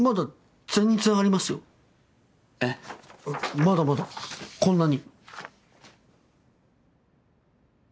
まだまだこんなに。